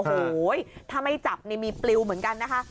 โอ้โหถ้าไม่จับนี่มีปลิวเหมือนกันนะคะ